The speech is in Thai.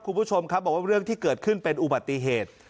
คุณผู้ชมครับบอกว่าเรื่องที่เกิดขึ้นเป็นอุบัติเหตุ